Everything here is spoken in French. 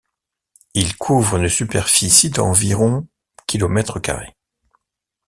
Il couvre une superficie d'environ kilomètres carrés.